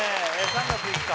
３月５日